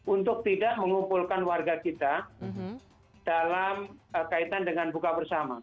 untuk tidak mengumpulkan warga kita dalam kaitan dengan buka bersama